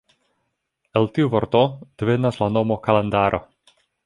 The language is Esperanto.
El tiu vorto devenas la nomo “kalendaro”.